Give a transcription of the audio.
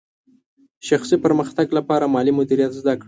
شخصي پرمختګ لپاره مالي مدیریت زده کړئ.